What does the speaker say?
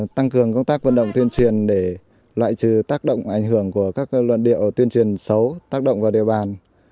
tăng cường công tác vận động tuyên truyền để loại trừ tác động ảnh hưởng của các luận điệu tuyên truyền xấu tác động vào địa bàn